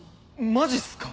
マジっすか？